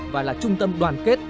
và là trung tâm đoàn kết